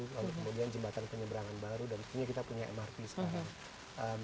lalu kemudian jembatan penyeberangan baru dan di sini kita punya mrt sekarang